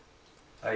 はい。